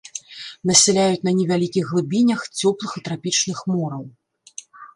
Насяляюць на невялікіх глыбінях цёплых і трапічных мораў.